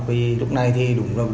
vì lúc này thì đúng rồi